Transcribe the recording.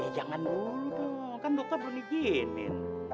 ya jangan dulu tuh kan dokter belum izinin